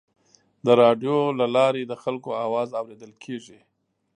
د راډیو له لارې د خلکو اواز اورېدل کېږي.